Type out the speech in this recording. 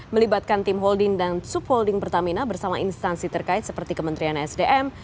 melibatkan tim holding dan subholding pertamina bersama instansi terkait seperti kementerian sdm